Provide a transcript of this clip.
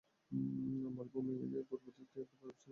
মালভূমির পূর্ব দিকটি একটি পর্বতশ্রেণীর মত লাগে।